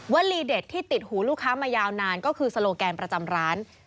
ลีเด็ดที่ติดหูลูกค้ามายาวนานก็คือโซโลแกนประจำร้าน